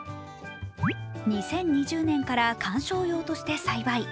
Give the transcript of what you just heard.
２０２０年から観賞用として栽培。